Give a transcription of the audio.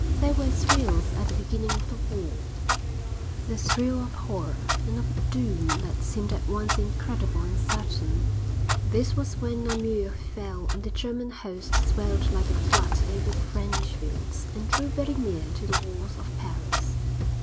There were thrills at the beginning of the war; the thrill of horror and of a doom that seemed at once incredible and certain; this was when Namur fell and the German host swelled like a flood over the French fields, and drew very near to the walls of Paris.